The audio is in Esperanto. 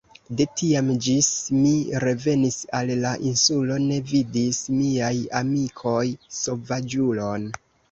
De tiam ĝis mi revenis al la insulo ne vidis miaj amikoj sovaĝulon.